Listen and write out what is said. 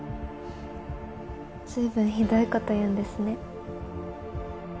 ふっ随分ひどいこと言うんですね。